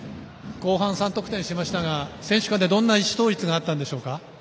後半３得点しましたが選手間でどんな意思統一があったんでしょうか。